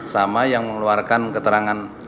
sama yang mengeluarkan keterangan